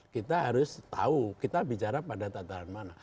kita harus tahu kita bicara pada tataran mana